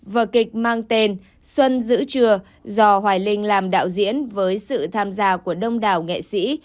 vở kịch mang tên xuân giữ chùa do hoài linh làm đạo diễn với sự tham gia của đông đảo nghệ sĩ